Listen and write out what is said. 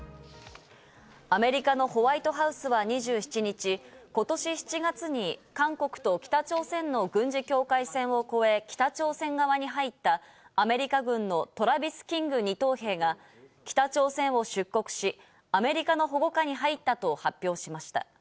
アメリカのホワイトハウスは２７日、ことし７月に韓国と北朝鮮の軍事境界線を越え、北朝鮮側に入ったアメリカ軍のトラビス・キング２等兵が、北朝鮮を出国し、アメリカの保護下に入ったと発表しました。